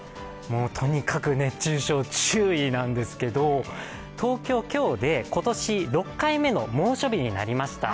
とにかく熱中症、注意なんですけど、東京、今日で今年６回目の猛暑日になりました。